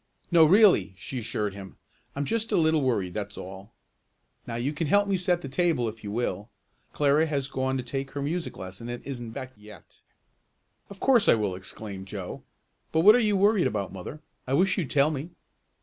"No, really," she assured him. "I'm just a little worried, that's all. Now you can help me set the table if you will. Clara has gone to take her music lesson and isn't back yet." "Of course I will!" exclaimed Joe. "But what are you worried about, mother? I wish you'd tell me."